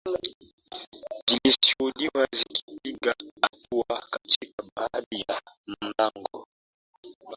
zilishuhudiwa zikipiga hatua katika baadhi ya malengo